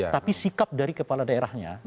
tapi sikap dari kepala daerahnya